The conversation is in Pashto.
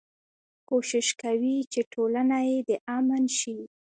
کوشش کوي چې ټولنه يې د امن شي.